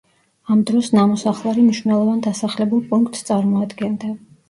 ამ დროს ნამოსახლარი მნიშვნელოვან დასახლებულ პუნქტს წარმოადგენდა.